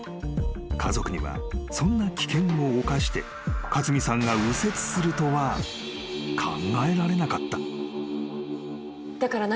［家族にはそんな危険を冒して勝美さんが右折するとは考えられなかった］